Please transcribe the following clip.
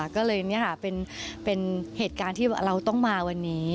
ก็เลยนี่ค่ะเป็นเหตุการณ์ที่เราต้องมาวันนี้